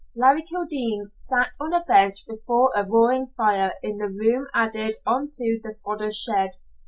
Larry Kildene sat on a bench before a roaring fire in the room added on to the fodder shed.